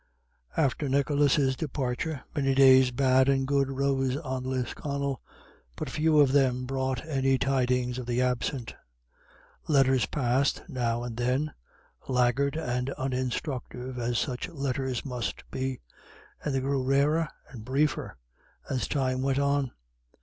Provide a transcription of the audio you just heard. After Nicholas's departure many days bad and good rose on Lisconnel, but few of them brought any tidings of the absent. Letters passed now and then, laggard and uninstructive as such letters must be, and they grew rarer and briefer as time went on.